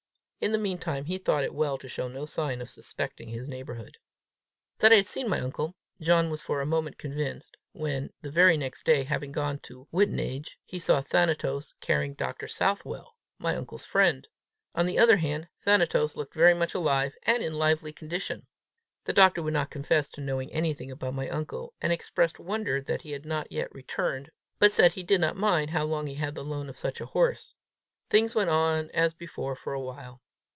In the meantime he thought it well to show no sign of suspecting his neighbourhood. That I had seen my uncle, John was for a moment convinced when, the very next day, having gone to Wittenage, he saw Thanatos carrying Dr. Southwell, my uncle's friend. On the other hand, Thanatos looked very much alive, and in lovely condition! The doctor would not confess to knowing anything about my uncle, and expressed wonder that he had not yet returned, but said he did not mind how long he had the loan of such a horse. Things went on as before for a while.